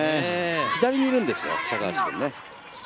左にいるんですよ、高橋君ね。